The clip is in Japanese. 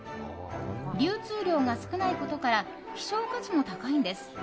流通量が少ないことから希少価値も高いんです。